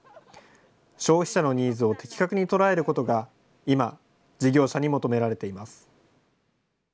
消費者のニーズを的確に捉えることが、今、事業者に求められています。